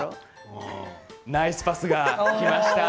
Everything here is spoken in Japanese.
ナイスパスが来ました。